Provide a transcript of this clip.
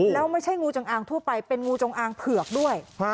แล้วไม่ใช่งูจงอางทั่วไปเป็นงูจงอางเผือกด้วย